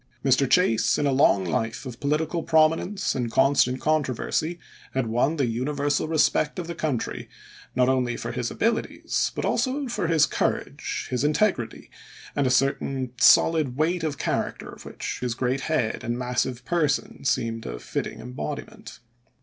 Mr. Chase, in a long life of political prominence and constant controversy, had won the universal respect of the country, not only for his abilities, but also for his courage, his integrity, and a certain solid weight of character of which his great head and massive per son seemed a fitting embodiment.